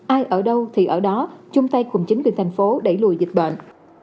ai ở đâu thì ở đó chung tay cùng chính quyền thành phố đẩy lùi dịch bệnh